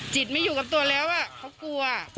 ไม่อยู่กับตัวแล้วเขากลัว